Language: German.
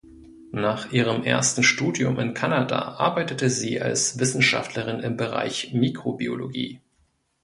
Nach ihrem ersten Studium in Kanada arbeitete sie als Wissenschaftlerin im Bereich Mikrobiologie.